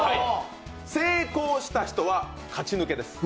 成功した人は勝ち抜けです。